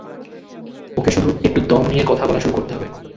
ওকে শুধু একটু দম নিয়ে কথা বলা শুরু করতে হবে!